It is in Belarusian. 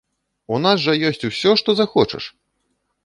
У нас жа ёсць ўсё што захочаш!